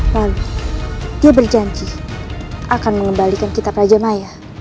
lalu dia berjanji akan mengembalikan kitab raja maya